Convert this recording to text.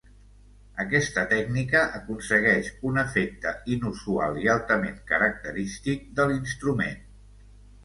Aquesta tècnica aconsegueix un efecte inusual i altament característic de l'instrument.